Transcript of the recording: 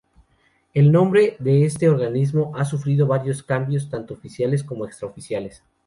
El nombre de este organismo ha sufrido varios cambios tanto oficiales como extraoficiales.